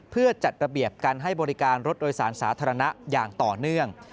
เพื่อจัดระเบียบการให้บริการรถโดยสารสาธารณะอย่างต่อเนื่อง